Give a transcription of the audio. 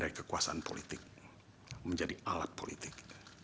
dari kekuasaan politik menjadi alat politik